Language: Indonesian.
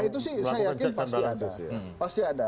nah itu sih saya yakin pasti ada